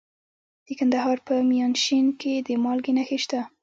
د کندهار په میانشین کې د مالګې نښې شته.